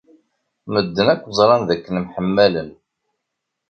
Medden akk ẓran dakken mḥemmalen.